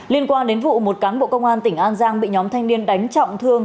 liên quan đến vụ một cán bộ công an tỉnh an giang bị nhóm thanh niên đánh trọng thương